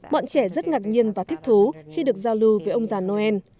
bọn trẻ rất ngạc nhiên và thích thú khi được giao lưu với ông già noel